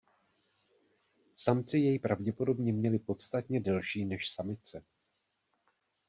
Samci jej pravděpodobně měli podstatně delší než samice.